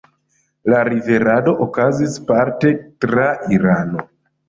La liverado okazis parte tra Irano.